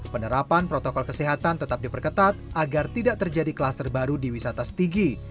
penerapan protokol kesehatan tetap diperketat agar tidak terjadi klaster baru di wisata setigi